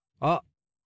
あっ！